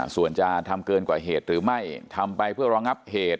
ส่วนจะทำเกินกว่าเหตุหรือไม่ทำไปเพื่อรองับเหตุ